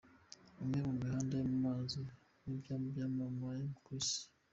Imwe mu mihanda yo mu mazi n’ibyambu byamamaye ku isi.